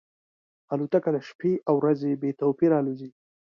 الوتکه د شپې او ورځې بې توپیره الوزي.